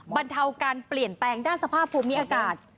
บรรเทาการเปลี่ยนแปลงด้านสภาพภูมิอากาศ